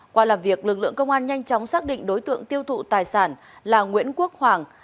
qua làm việc lực lượng công an nhanh chóng xác định đối tượng tiêu thụ tài sản là nguyễn quốc hoàng